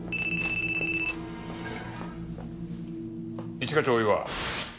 一課長大岩。